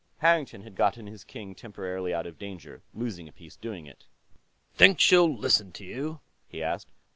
Harrington had gotten his king temporarily out of danger, losing a piece doing it. "Think she'll listen to you?" he asked.